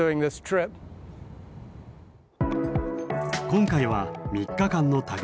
今回は３日間の旅。